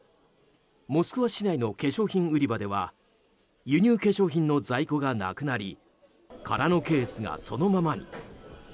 モスクワ市内の化粧品売り場では輸入化粧品の在庫がなくなり空のケースがそのままに。